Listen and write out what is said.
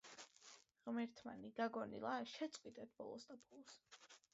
ღმერთმანი, გაგონილა? შეწყვიტეთ ბოლოსდაბოლოს!